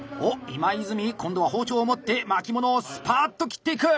今泉今度は包丁を持って巻物をスパッと切っていく！